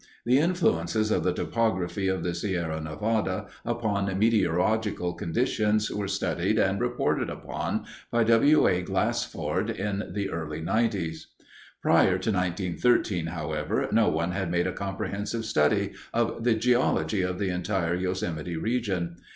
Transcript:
The influences of the topography of the Sierra Nevada upon meteorological conditions were studied and reported upon by W. A. Glassford in the early 'nineties. Prior to 1913, however, no one had made a comprehensive study of the geology of the entire Yosemite region.